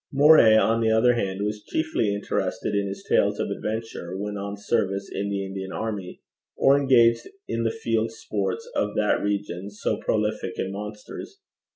Moray, on the other hand, was chiefly interested in his tales of adventure when on service in the Indian army, or engaged in the field sports of that region so prolific in monsters.